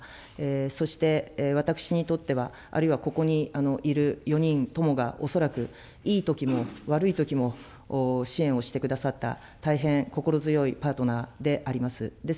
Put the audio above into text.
そして私にとっては、あるいはここにいる４人ともが、恐らく、いいときも悪いときも支援をしてくださった、大変心強いパートナーであります。